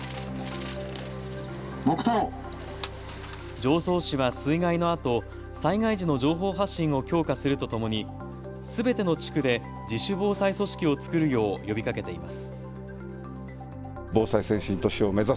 常総市は水害のあと災害時の情報発信を強化するとともにすべての地区で自主防災組織を作るよう呼びかけています。